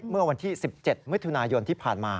เมื่อวันที่สิบเจ็ดมืดธุนายนที่ผ่านมา